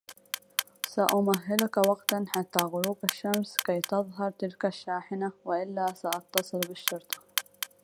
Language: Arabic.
سأمهلك وقتا حتّى غروب الشّمس كي تظهر تلك الشّاحنة، و إلاّ سأتّصل بالشّرطة.